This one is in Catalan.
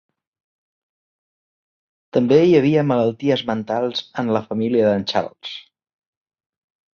També hi havia malalties mentals en la família de Charles.